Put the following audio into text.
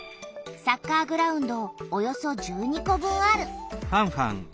サッカーグラウンドおよそ１２個分ある。